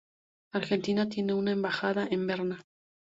Argentina tiene una embajada en Berna.